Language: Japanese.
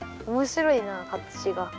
おもしろいな形が。